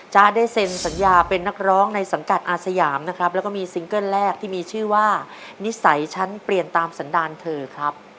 ได้เซ็นสัญญาเป็นนักร้องในสังกัดอาสยามนะครับแล้วก็มีซิงเกิ้ลแรกที่มีชื่อว่านิสัยฉันเปลี่ยนตามสันดาลเธอครับ